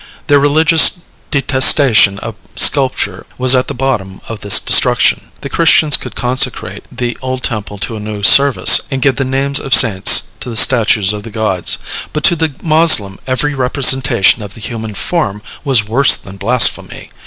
Their religious detestation of sculpture was at the bottom of this destruction. The Christians could consecrate the old temple to a new service, and give the names of saints to the statues of the gods; but to the Moslem every representation of the human form was worse than blasphemy.